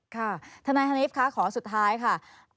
ค่ะทนัยฮันีฟคะขอสุดท้ายค่ะ